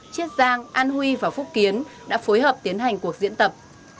chiết giang an huy và phúc kiến đã phối hợp tiến hành cuộc diễn tập